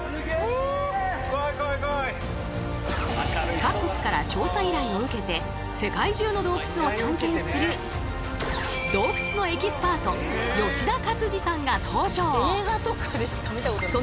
各国から調査依頼を受けて世界中の洞窟を探検する洞窟のエキスパート吉田勝次さんが登場。